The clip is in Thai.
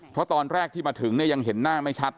เพราะตอนแรกที่มาถึงเนี่ยยังเห็นหน้าไม่ชัด